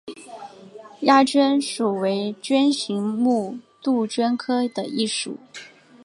鸦鹃属为鹃形目杜鹃科的一属。